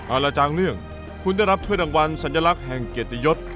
อารจางเรื่องคุณได้รับถ้วยรางวัลสัญลักษณ์แห่งเกียรติยศ